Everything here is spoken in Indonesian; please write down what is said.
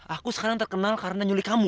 aku sekarang terkenal karena nyuli kamu